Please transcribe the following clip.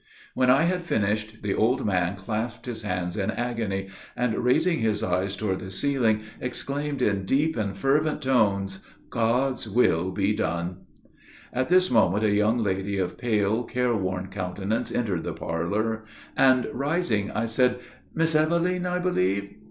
When I had finished, the old man clasped his hands in agony, and, raising his eyes toward the ceiling, exclaimed, in deep and fervent tones, "God's will be done!" At this moment, a young lady of pale, care worn countenance entered the parlor, and, rising, I said, "Miss Eveline , I believe?"